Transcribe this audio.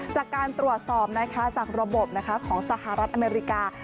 จากการตรวจสอบจากระบบของสหรัฐอเมริกา